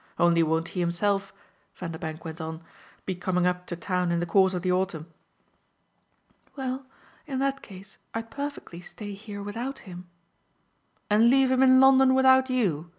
Only won't he himself," Vanderbank went on, "be coming up to town in the course of the autumn?" "Well, in that case I'd perfectly stay here without him." "And leave him in London without YOU?